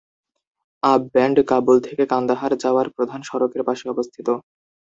আব ব্যান্ড কাবুল থেকে কান্দাহার যাওয়ার প্রধান সড়কের পাশে অবস্থিত।